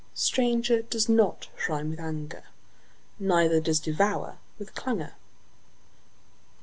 Stranger does not rime with anger, Neither does devour with clangour.